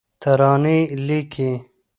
ترانې لیکې